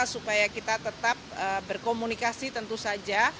supaya kita tetap berkomunikasi tentu saja